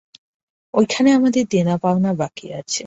ঐখানে আমাদের দেনাপাওনা বাকি আছে।